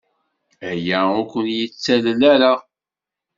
Aya ur ken-yettalel ara.